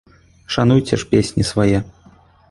Шануйце ж песні свае.